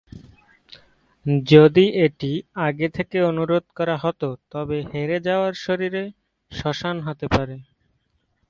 যদি এটি আগে থেকে অনুরোধ করা হত তবে হেরে যাওয়ার শরীরে শ্মশান হতে পারে।